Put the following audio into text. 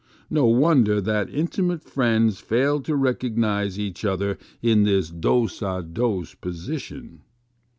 No wonder that intimate friends fail to recognize each other in this dos a dos position.